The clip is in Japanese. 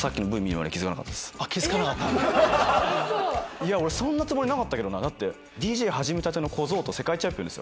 いや俺そんなつもりなかったけどなだってＤＪ始めたての小僧と世界チャンピオンですよ。